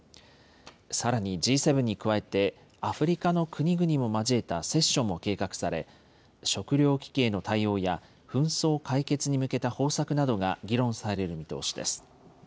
さらにＧ７に加えて、アフリカの国々も交えたセッションも計画され、食料危機への対応や、紛争解決に向けた方策などが議論される見通しです。